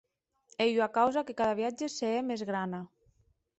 Ei ua causa que cada viatge se hè mès grana.